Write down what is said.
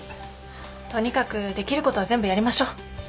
とにかくできることは全部やりましょう。